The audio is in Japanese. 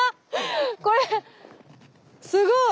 これすごい！